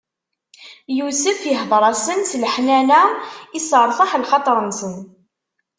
Yusef ihdeṛ-asen s leḥnana, isseṛtaḥ lxaṭer-nsen.